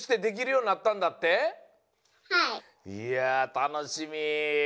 いやたのしみ。